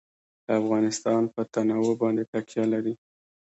افغانستان په تنوع باندې تکیه لري.